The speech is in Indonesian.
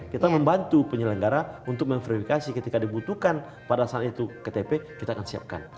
kita membantu penyelenggara untuk memverifikasi ketika dibutuhkan pada saat itu ktp kita akan siapkan